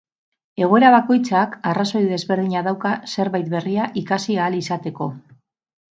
Egoera bakoitzak arrazoi desberdina dauka zerbait berria ikasi ahal izateko.